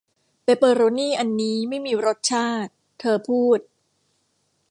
เปเปอโรนี่อันนี้ไม่มีรสชาติเธอพูด